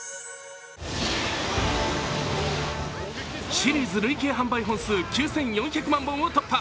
シリーズ累計販売本数９４００万本を突破。